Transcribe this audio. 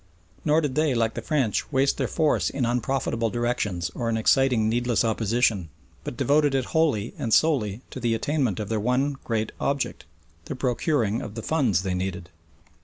Nor did they, like the French, waste their force in unprofitable directions or in exciting needless opposition, but devoted it wholly and solely to the attainment of their one great object the procuring of the funds they needed.